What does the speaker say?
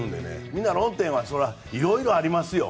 みんな、そりゃ論点はいろいろありますよ。